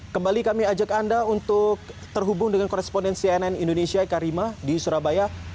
kembali kami ajak anda untuk terhubung dengan koresponden cnn indonesia eka rima di surabaya